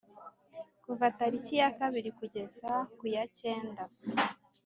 Kuva tariki ya kabiri kugeza ku yaicyenda